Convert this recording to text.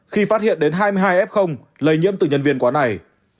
khi phát hiện đến hai mươi hai f lây nhiễm từ nhân viên quá này